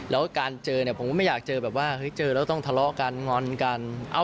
แล้วการเจอเนี่ยผมก็ไม่อยากเจอแบบว่าเฮ้ยเจอแล้วต้องทะเลาะกันงอนกัน